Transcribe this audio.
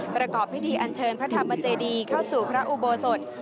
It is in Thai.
ประกอบพิธีอันเชิญพระธรรมเจดีเข้าสู่พระอุโบสถ